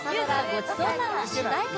「ごちそうさん」の主題歌